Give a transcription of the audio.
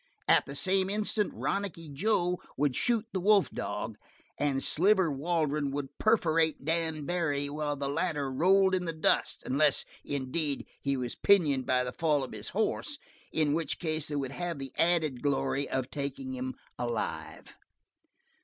At the same instant, Ronicky Joe would shoot the wolf dog, and Sliver Waldron would perforate Dan Barry while the latter rolled in the dust, unless, indeed, he was pinioned by the fall of his horse, in which case they would have the added glory of taking him alive.